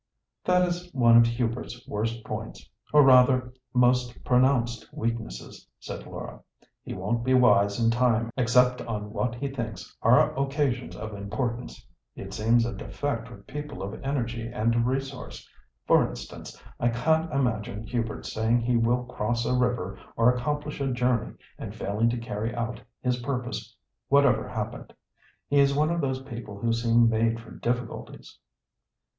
"That is one of Hubert's worst points—or rather, most pronounced weaknesses," said Laura; "he won't be wise in time except on what he thinks are occasions of importance. It seems a defect with people of energy and resource. For instance, I can't imagine Hubert saying he will cross a river or accomplish a journey and failing to carry out his purpose, whatever happened. He is one of those people who seem made for difficulties."